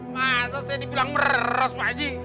masa saya dibilang meres pak haji